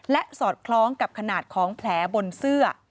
และสอดคล้องกับขนาดของแผลบนเสื้อ